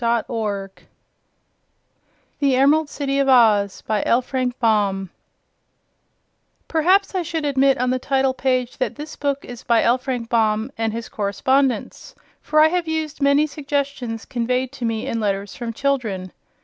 How the Story of Oz Came to an End Author's Note Perhaps I should admit on the title page that this book is "By L. Frank Baum and his correspondents," for I have used many suggestions conveyed to me in letters from children.